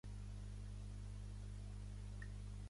Quan és penat dorm de cap per avall.